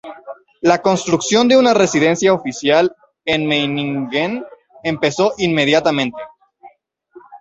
La construcción de una residencia oficial en Meiningen empezó inmediatamente.